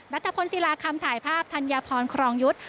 ตะพลศิลาคำถ่ายภาพธัญพรครองยุทธ์